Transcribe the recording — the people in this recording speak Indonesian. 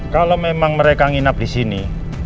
kalau memang mereka nginap disini